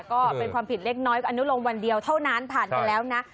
ก็เป็นความผิดเล็กน้อยก็อนุโลมวันเดียวเท่านั้นผ่านไปแล้วนะ